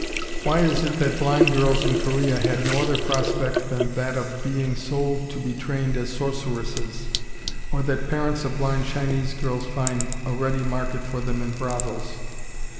Why is it that blind girls in Korea had no other prospect than that of being sold to be trained as sorceresses, or that parents of blind Chinese girls find a ready market for them in brothels?